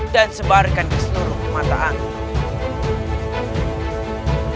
dan sebarkan ke seluruh mata angin